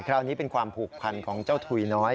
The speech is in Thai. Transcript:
คราวนี้เป็นความผูกพันของเจ้าถุยน้อย